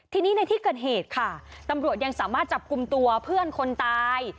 ทีนี้ในที่เกิดเหตุค่ะตำรวจยังสามารถจับกลุ่มตัวเพื่อนคนตาย